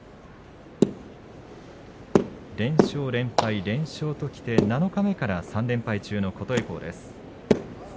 連勝、連敗、連勝ときて七日目から３連敗中の琴恵光です。